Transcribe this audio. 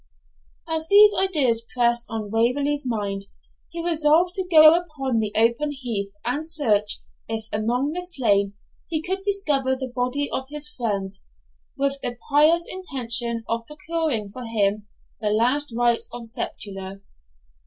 As these ideas pressed on Waverley's mind, he resolved to go upon the open heath and search if, among the slain, he could discover the body of his friend, with the pious intention of procuring for him the last rites of sepulture.